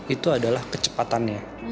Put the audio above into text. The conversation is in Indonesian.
itu adalah kecepatannya